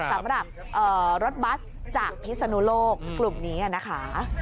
สำหรับรถบัสจากพิศนุโลกกลุ่มนี้นะคะ